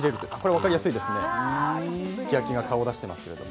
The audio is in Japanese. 分かりやすいですねすき焼きが顔を出していますけれども。